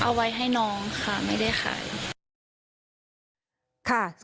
เอาไว้ให้น้องค่ะไม่ได้ขายค่ะ